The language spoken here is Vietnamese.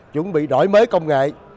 chuẩn bị đổi mới công nghệ